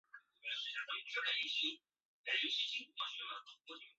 黄花蔺为花蔺科黄花蔺属下的一个种。